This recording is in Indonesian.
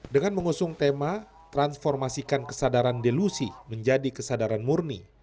dengan mengusung tema transformasikan kesadaran delusi menjadi kesadaran murni